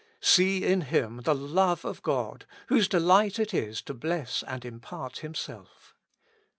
See in Him the God of Love, whose delight it is to bless and impart Himself.